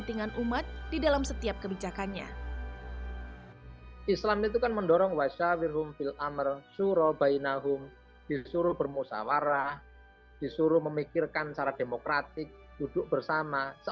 jangan lupa like share dan subscribe ya